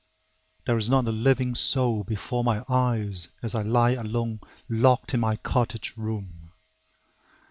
There is not a living soul before my eyes As I lie alone locked in my cottage room.